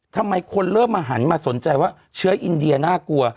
ทำไมคนเริ่มมาหันมาสนใจว่าเชื้ออินเดียน่ากลัว